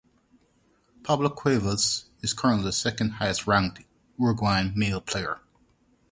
Pablo Cuevas is currently the second highest-ranked Uruguayan male player.